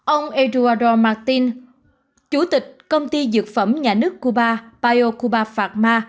ông eduardo martín chủ tịch công ty dược phẩm nhà nước cuba biocuba pharma